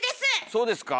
そうですか？